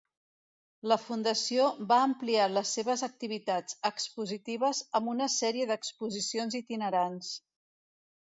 La fundació va ampliar les seves activitats expositives amb una sèrie d'exposicions itinerants.